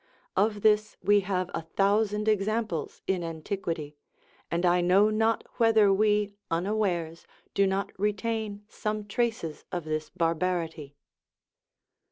Of this we have a thousand examples in antiquity, and I know not whether we, unawares, do not retain some traces of this barbarity.